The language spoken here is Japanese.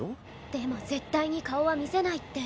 でも絶対に顔は見せないって。